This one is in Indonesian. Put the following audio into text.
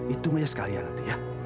itu mah ya sekalian nanti ya